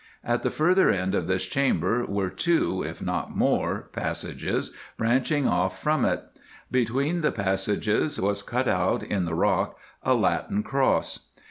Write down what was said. At the further end of this chamber were two, if not more, passages branching off from it. Between the passages was cut out in the rock a Latin cross."